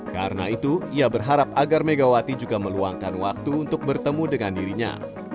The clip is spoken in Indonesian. karena itu ia berharap agar megawati juga meluangkan waktu untuk bertemu dengan dirinya